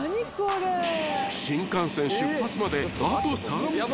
［新幹線出発まであと３分］